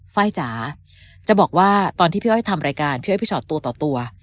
ไฟล์จ๋าจะบอกว่าตอนที่พี่อ้อยทำรายการพี่อ้อยพี่ชอตตัวต่อตัว